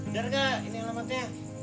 bener gak ini alamatnya